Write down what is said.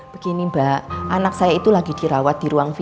begini mbak anak saya itu lagi dirawat di ruang v